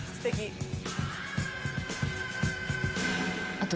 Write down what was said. あと。